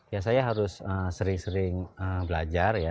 ya saya harus sering sering belajar ya